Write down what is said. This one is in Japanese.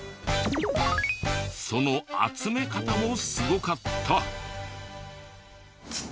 その集め方もすごかった。